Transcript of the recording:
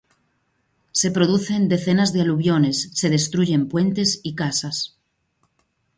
Se producen decenas de aluviones, se destruyen puentes y casas.